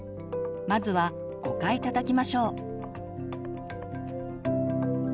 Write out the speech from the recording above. まずは５回たたきましょう。